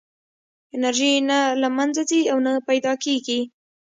انرژي نه له منځه ځي او نه پیدا کېږي.